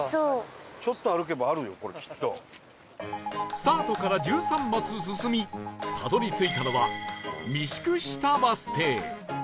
スタートから１３マス進みたどり着いたのは御宿下バス停